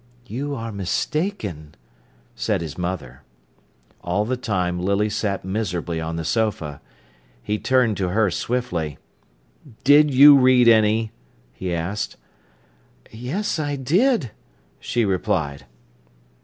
"You are mistaken," said his mother. All the time Lily sat miserably on the sofa. He turned to her swiftly. "Did you read any?" he asked. "Yes, I did," she replied.